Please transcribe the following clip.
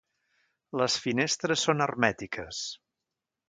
Les finestres són hermètiques.